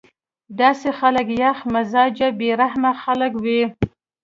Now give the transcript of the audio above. داسې خلک يخ مزاجه بې رحمه خلک وي